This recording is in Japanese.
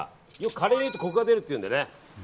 カレーに入れるとコクが出るっていうんでね。